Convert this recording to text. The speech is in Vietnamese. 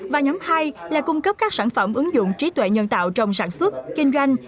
và nhóm hai là cung cấp các sản phẩm ứng dụng trí tuệ nhân tạo trong sản xuất kinh doanh